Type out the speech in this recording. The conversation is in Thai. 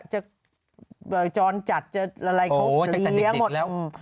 จะจรจัดจะละลายครบเลี้ยงหมด